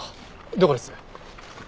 どこです？